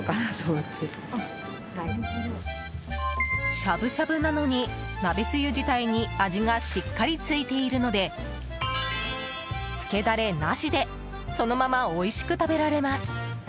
しゃぶしゃぶなのに鍋つゆ自体に味がしっかりついているのでつけダレなしでそのままおいしく食べられます。